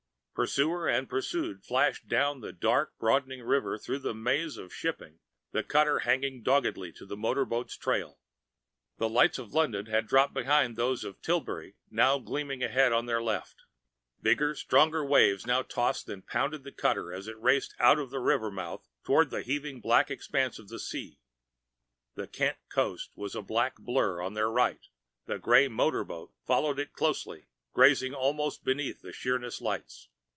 Pursuers and pursued flashed on down the dark, broadening river, through mazes of shipping, the cutter hanging doggedly to the motor boat's trail. The lights of London had dropped behind and those of Tilbury now gleamed away on their left. Bigger, stronger waves now tossed and pounded the cutter as it raced out of the river mouth toward the heaving black expanse of the sea. The Kent coast was a black blur on their right; the gray motor boat followed it closely, grazing almost beneath the Sheerness lights.